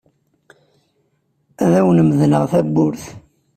Ad awen-medleɣ tawwurt.